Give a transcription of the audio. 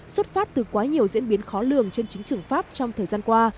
xuất phát từ quá nhiều diễn biến khó lường trên chính trường pháp trong thời gian qua